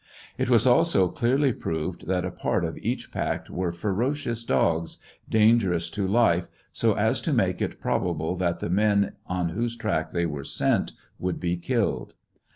It was also clearly proved that a part of each pack were ferocious dogs, dangerous to life, so as X.0 make it probable that the men on whose track they were sent would be killed.